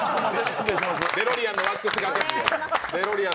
デロリアンのワックスがけ。